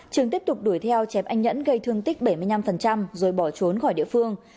trường tiếp tục đuổi theo chém anh nhẫn gây thương tích bảy mươi năm rồi bỏ trốn khỏi địa phương